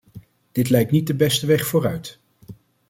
Dit lijkt niet de beste weg vooruit.